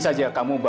dia ayah kamu